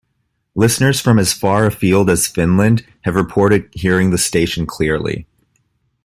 Listeners from as far afield as Finland have reported hearing the station clearly.